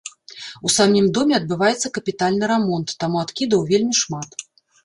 У самім доме адбываецца капітальны рамонт, таму адкідаў вельмі шмат.